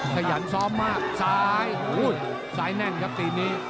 ขยันซ้อมมากซ้ายซ้ายแน่นครับตีนนี้